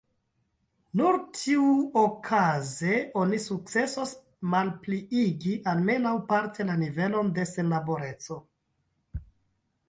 Nur tiuokaze oni sukcesos malpliigi almenaŭ parte la nivelon de senlaboreco.